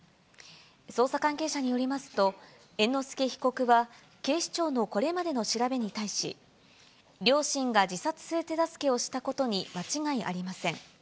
捜査関係者によりますと、猿之助被告は警視庁のこれまでの調べに対し、両親が自殺する手助けをしたことに間違いありません。